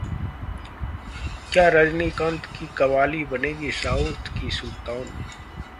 क्या रजनीकांत की 'कबाली' बनेगी साउथ की 'सुल्तान'...